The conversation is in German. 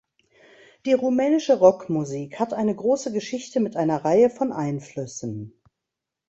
Die rumänische Rockmusik hat eine große Geschichte mit einer Reihe von Einflüssen.